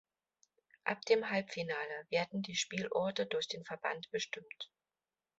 Ab dem Halbfinale werden die Spielorte durch den Verband bestimmt.